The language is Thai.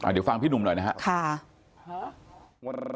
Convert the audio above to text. เดี๋ยวฟังพี่หนุ่มหน่อยนะครับ